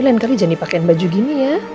lain kali jadi pakaian baju gini ya